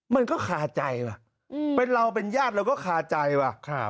มันก็คาใจว่ะเป็นเราเป็นญาติเราก็คาใจว่ะ